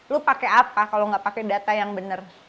lu pakai apa kalau nggak pakai data yang benar